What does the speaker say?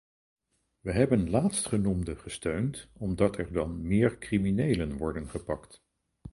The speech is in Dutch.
We hebben laatstgenoemde gesteund, omdat er dan meer criminelen worden gepakt.